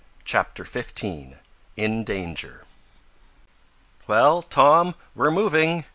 CHAPTER XV IN DANGER "Well, Tom, we're moving!"